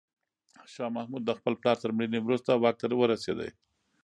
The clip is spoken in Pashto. شاه محمود د خپل پلار تر مړینې وروسته واک ته ورسېد.